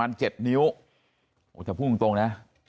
ไม่รู้ตอนไหนอะไรยังไงนะ